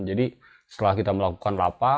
jadi setelah kita melakukan lapak